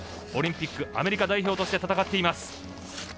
オリンピックアメリカ代表として戦っています。